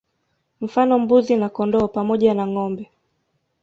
Mfano Mbuzi na Kondoo pamoja na Ngombe